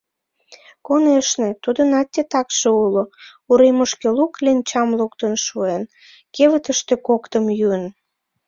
Конешне, тудынат титакше уло: уремышке лу кленчам луктын шуэн, кевытыште коктым йӱын.